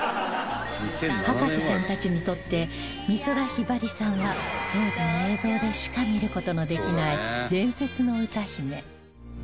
博士ちゃんたちにとって美空ひばりさんは当時の映像でしか見る事のできない伝説の歌姫